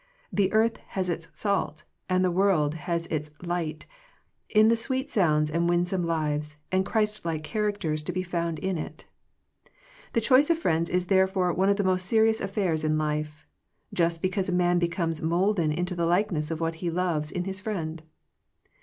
The earth has its salt, and the world has its light, in the sweet souls, and winsome lives, and Christlike characters to be found in it The choice of friends is therefore one of the most serious affairs in life, just because a man becomes moulden into the likeness of what he loves in his friend.